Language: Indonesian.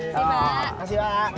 terima kasih pak